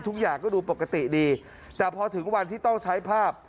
ทุกอย่างก็ดูปกติดีแต่พอถึงวันที่ต้องใช้ภาพ